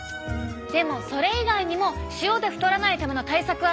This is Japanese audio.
でもそれ以外にも塩で太らないための対策はないか？